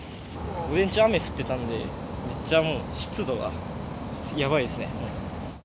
午前中、雨降ってたんで、めっちゃもう、湿度がやばいですね。